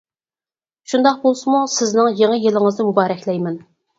شۇنداق بولسىمۇ سىزنىڭ يېڭى يىلىڭىزنى مۇبارەكلەيمەن.